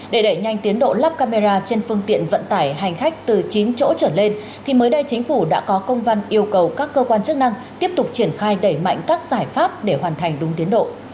để đẩy nhanh tiến độ lắp camera trên phương tiện vận tải hành khách từ chín chỗ trở lên thì mới đây chính phủ đã có công văn yêu cầu các cơ quan chức năng tiếp tục triển khai đẩy mạnh các giải pháp để hoàn thành đúng tiến độ